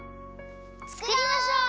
つくりましょう！